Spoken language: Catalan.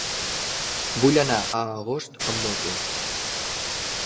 Vull anar a Agost amb moto.